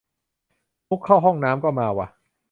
มุกเข้าห้องน้ำก็มาว่ะ